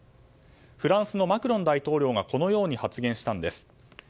フランスのマクロン大統領がこのように発言したんです。